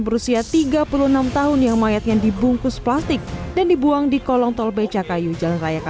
berusia tiga puluh enam tahun yang mayatnya dibungkus plastik dan dibuang di kolong tol becakayu jalan raya